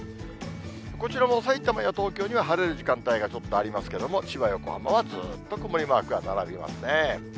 こちらもさいたまや東京には晴れる時間帯がちょっとありますけれども、千葉、横浜はずっと曇りマークが並びますね。